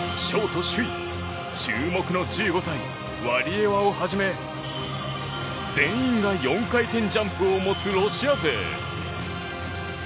ショート首位注目の１５歳、ワリエワをはじめ全員が４回転ジャンプを持つロシア勢。